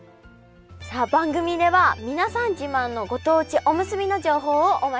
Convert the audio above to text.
さあ番組では皆さん自慢のご当地おむすびの情報をお待ちしています。